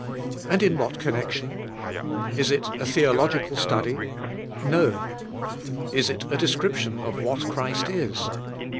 And in what connection? Is it a theological study? No. Is it a description of what Christ is?